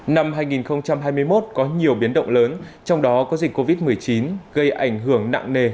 năm hai nghìn hai mươi một có nhiều biến động lớn trong đó có dịch covid một mươi chín gây ảnh hưởng nặng nề